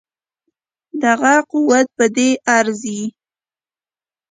دغه قوت په دې ارزي.